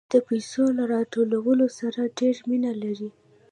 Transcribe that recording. دوی د پیسو له راټولولو سره ډېره مینه لري